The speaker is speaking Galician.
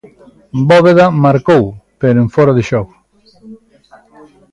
Bóveda marcou, pero en fóra de xogo.